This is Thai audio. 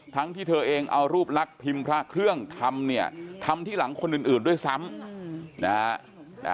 ที่เธอเองเอารูปลักษณ์พิมพ์พระเครื่องทำเนี่ยทำที่หลังคนอื่นด้วยซ้ำนะฮะ